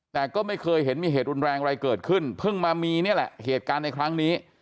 แต่ก็ไม่เคยเห็นมีเหตุรุนแรงอะไรเกิดขึ้นเพิ่งมามีนี่แหละเหตุการณ์ในครั้งนี้